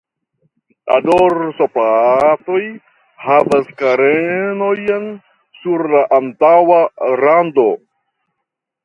La dorsoplatoj havas karenojn sur la antaŭa rando.